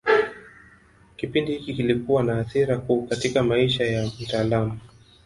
Kipindi hiki kilikuwa na athira kuu katika maisha ya mtaalamu.